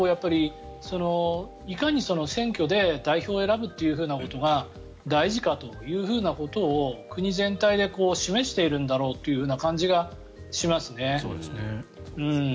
いかに選挙で代表を選ぶということが大事かというふうなことを国全体で示しているんだろうという感じがしますね。